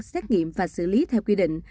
xét nghiệm và xử lý theo quy định